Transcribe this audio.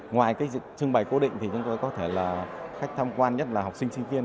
ngoài trưng bày cố định chúng tôi có thể là khách tham quan nhất là học sinh sinh viên